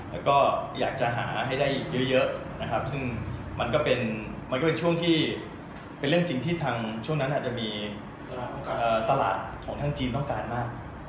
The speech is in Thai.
แล้วก็อยากจะหาให้ได้เยอะนะครับซึ่งมันก็เป็นมันก็เป็นช่วงที่เป็นเรื่องจริงที่ทางช่วงนั้นอาจจะมีตลาดของทางจีนต้องการมาก